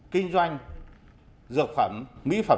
kinh doanh dược phẩm mỹ phẩm